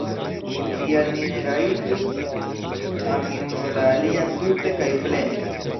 Kial ni ne rajtu ami unu la alian tute kaj plene?